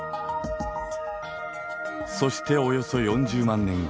そしておよそ４０万年